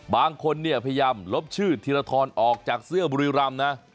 บางคนเนี่ยพยายามลบชื่อธีรทรออกจากเสื้อบุรีรำนะ